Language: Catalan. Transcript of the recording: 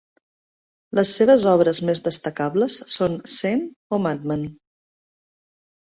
Les seves obres més destacables són Saint o Madman?